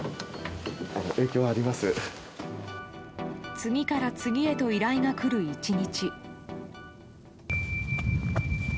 次から次へと依頼が来る１日。